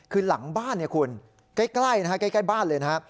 คือหลังบ้านเนี่ยคุณใกล้นะฮะใกล้บ้านเลยนะฮะ